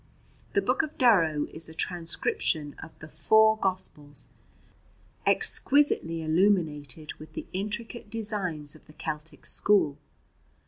The "Book of Durrow" is a transcription of the four Gospels, exquisitely illuminated with the intricate designs of the Celtic school.